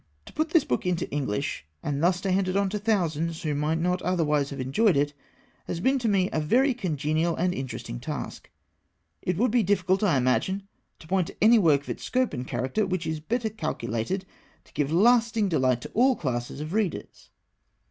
To put this book into English, and thus to hand it on to thousands who might not otherwise have enjoyed it, has been to me a very congenial and interesting task. It would be difficult, I imagine, to point to any work of its scope and character which is better calculated to give lasting delight to all classes of readers.